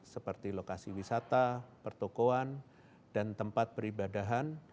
seperti lokasi wisata pertokoan dan tempat peribadahan